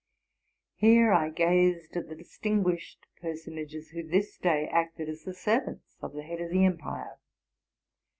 Here I gazed at the distinguished personages who this day acted as the servants of the head of the empire.